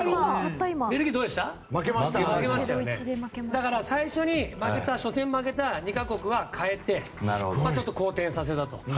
だから、最初に負けた初戦負けた２か国は代えてちょっと好転させたと。